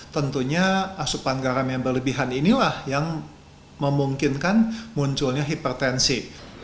tentunya asupan garam yang berlebihan inilah yang memungkinkan munculnya hipertensi